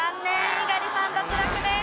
猪狩さん脱落です。